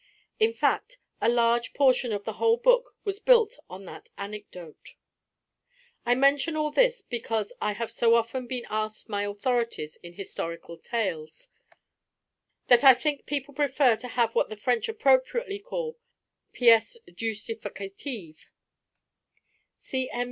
In fact, a large portion of the whole book was built on that anecdote. I mention all this because I have so often been asked my authorities in historical tales, that I think people prefer to have what the French appropriately call pièces justificatives. C. M.